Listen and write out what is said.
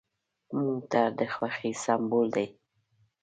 موټر د خوښۍ سمبول دی.